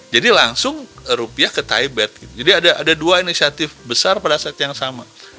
jadi langsung rupiah ke tibet jadi ada dua inisiatif besar pada saat yang sama